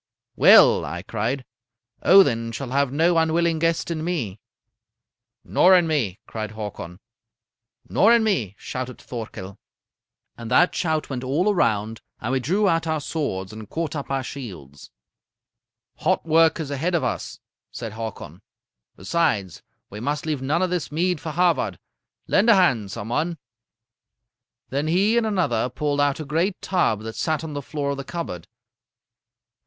"'Well,' I cried, 'Odin shall have no unwilling guest in me.' "'Nor in me,' cried Hakon. "'Nor in me,' shouted Thorkel. "And that shout went all around, and we drew out our swords and caught up our shields. "'Hot work is ahead of us,' said Hakon. 'Besides, we must leave none of this mead for Havard. Lend a hand, some one.' "Then he and another pulled out a great tub that sat on the floor of the cupboard.